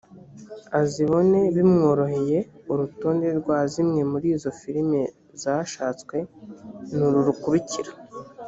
azibone bimworoheye urutonde rwa zimwe muri izo filimi zashatswe ni uru rukurikira